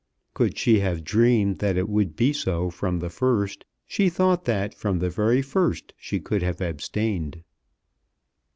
Could she have dreamed that it would be so from the first, she thought that from the very first she could have abstained.